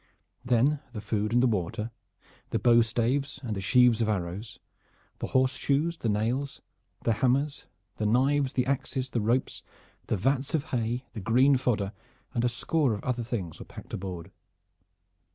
Then the food and the water, the bow staves and the sheaves of arrows, the horseshoes, the nails, the hammers, the knives, the axes, the ropes, the vats of hay, the green fodder and a score of other things were packed aboard.